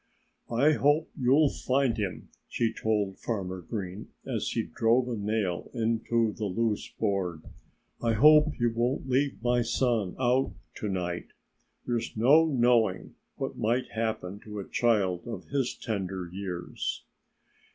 "I hope you'll find him," she told Farmer Green as he drove a nail into the loose board. "I hope you won't leave my son out to night. There's no knowing what might happen to a child of his tender years."